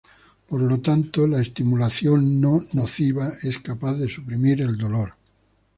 Por lo tanto, la estimulación no nociva es capaz de suprimir el dolor.